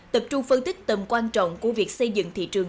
tập trung phân tích tầm quan trọng của việc xây dựng thị trường